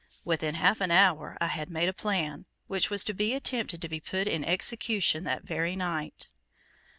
Within half an hour, I had made a plan, which was to be attempted to be put in execution that very night.